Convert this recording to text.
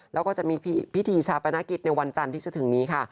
แล้วก็จะมีพิธีชาปนกิจในวันจันทร์ที่จะถึงนี้ค่ะ